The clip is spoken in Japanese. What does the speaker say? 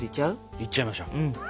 いっちゃいましょう。